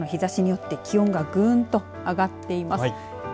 日ざしによって気温がぐんと上がっています。